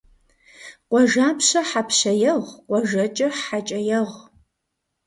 Къуажапщэ хьэпщэ егъу, къуажэкӀэ хьэкӀэ егъу.